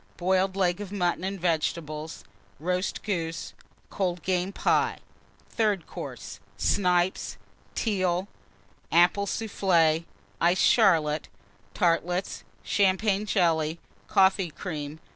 Boiled Leg of Mutton and Vegetables. Roast Goose. Cold Game Pie. THIRD COURSE. Snipes. Teal. Apple Soufflé. Iced Charlotte. Tartlets. Champagne Jelly. Coffee Cream.